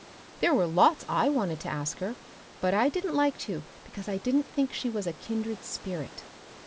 There were lots I wanted to ask her, but I didn't like to because I didn't think she was a kindred spirit.